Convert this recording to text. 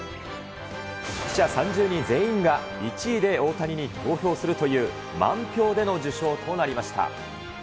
記者３０人全員が１位で大谷に投票するという、満票での受賞となりました。